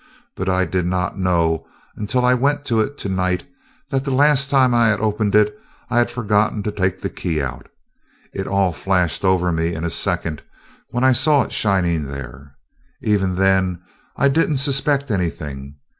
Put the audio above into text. But I did not know until I went to it to night that the last time I had opened it I had forgotten to take the key out. It all flashed over me in a second when I saw it shining there. Even then I did n't suspect anything.